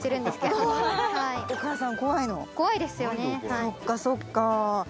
そうかそうか。